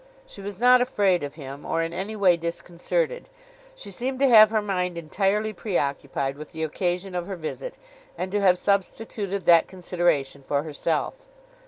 She was not afraid of him, or in any way disconcerted; she seemed to have her mind entirely preoccupied with the occasion of her visit, and to have substituted that consideration for herself.